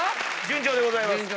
順調でございます。